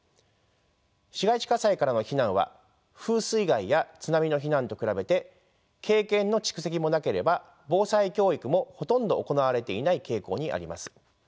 市街地火災からの避難は風水害や津波の避難と比べて経験の蓄積もなければ防災教育もほとんど行われていない傾向にあります。